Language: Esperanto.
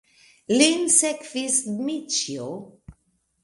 Lin sekvis Dmiĉjo.